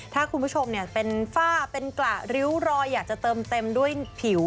ถ้าคุณผู้ชมเป็นฝ้าเป็นกระริ้วรอยอยากจะเติมเต็มด้วยผิว